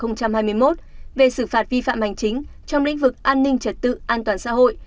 nghị định số một trăm một mươi bốn hai nghìn hai mươi một về sự phạt vi phạm hành chính trong lĩnh vực an ninh trật tự an toàn xã hội